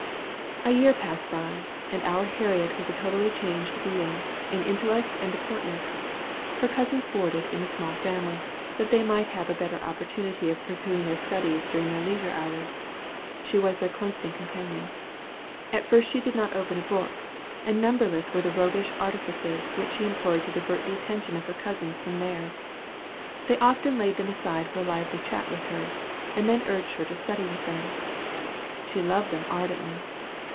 A year passed by, and our Harriet was a totally changed being, in intellect and deportment. Her cousins boarded in a small family, that they might have a better opportunity of pursuing their studies during their leisure hours. She was their constant companion. At first she did not open a book; and numberless were the roguish artifices she employed to divert the attention of her cousins from theirs. They often laid them aside for a lively chat with her; and then urged her to study with them. She loved them ardently.